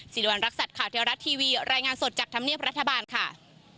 สิริวัณรักษัตริย์ข่าวเทวรัฐทีวีรายงานสดจากธรรมเนียบรัฐบาลค่ะ